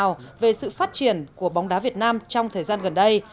người hâm mộ việt nam có thể tự hào về sự phát triển của bóng đá việt nam trong thời gian gần đây